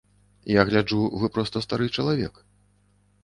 Я гляджу вы проста стары чалавек.